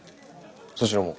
そちらも？